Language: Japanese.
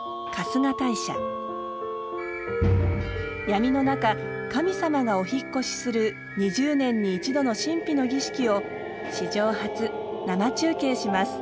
闇の中、神様がお引っ越しする２０年に一度の神秘の儀式を史上初、生中継します。